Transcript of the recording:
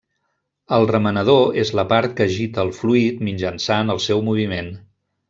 El remenador és la part que agita el fluid mitjançant el seu moviment.